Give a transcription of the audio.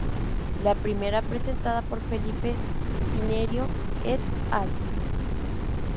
La primera, presentada por Felipe Pinheiro "et al.